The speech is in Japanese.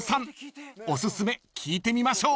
［おすすめ聞いてみましょう］